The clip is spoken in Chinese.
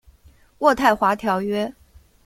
渥太华条约。